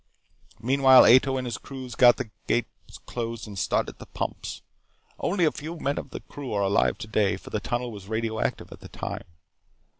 "Meanwhile, Ato and his crews got the gates closed and started the pumps. Only a few men of that crew are alive today, for the tunnel was radio active at that time.